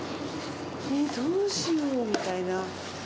えー、どうしようみたいな。